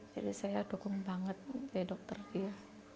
jadi saya dukung banget jadi dokter dia